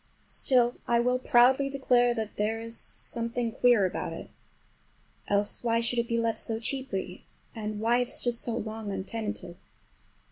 Still I will proudly declare that there is something queer about it. Else, why should it be let so cheaply? And why have stood so long untenanted?